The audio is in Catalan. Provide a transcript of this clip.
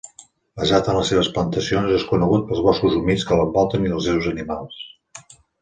Basat en les seves plantacions, és conegut pels boscos humits que l'envolten i els seus animals.